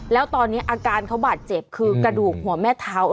แล้วตอนนี้อาการเขาบาดเจ็บคือกระดูกหัวแม่เทา